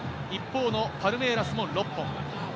一方のパルメイラスも６本。